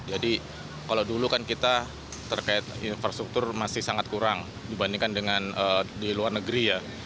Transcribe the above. jadi kalau dulu kan kita terkait infrastruktur masih sangat kurang dibandingkan dengan di luar negeri ya